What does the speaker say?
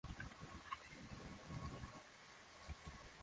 kighafla kupunguza kiwango kwa kasi upungufu wa kiwango cha dawa ya